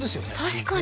確かに。